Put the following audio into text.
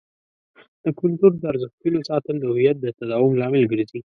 د کلتور د ارزښتونو ساتل د هویت د تداوم لامل ګرځي.